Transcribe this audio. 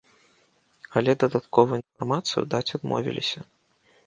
Але дадатковую інфармацыю даць адмовіліся.